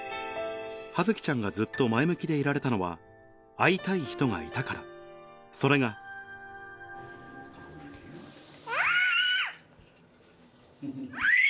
葉月ちゃんがずっと前向きでいられたのは会いたい人がいたからそれがキャ。